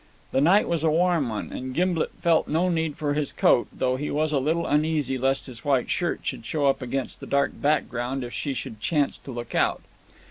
The night was a warm one, and Gimblet felt no need for his coat, though he was a little uneasy lest his white shirt should show up against the dark background if she should chance to look out.